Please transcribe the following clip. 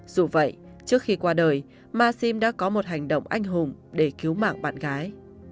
dù vậy trước khi qua đời maxim đã có một hành động anh hùng để cứu mạng bạn gái